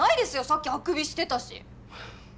さっきあくびしてたし。